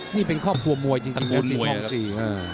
นี่เป็นครอบครัวมวยจริงครับสิงคลองศรี